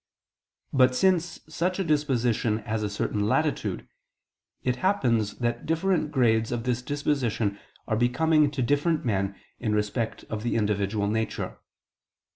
But since such a disposition has a certain latitude, it happens that different grades of this disposition are becoming to different men in respect of the individual nature.